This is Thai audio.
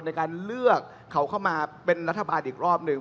ในการเลือกเขาเข้ามาเป็นรัฐบาลอีกรอบหนึ่ง